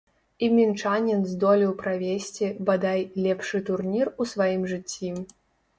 І мінчанін здолеў правесці, бадай, лепшы турнір у сваім жыцці.